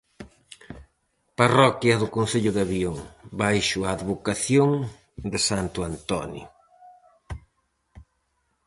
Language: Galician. Parroquia do concello de Avión baixo a advocación de santo Antonio.